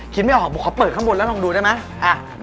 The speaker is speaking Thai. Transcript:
ไม่ออกขอเปิดข้างบนแล้วลองดูได้ไหม